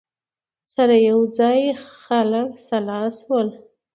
سره یوځای خلع سلاح شول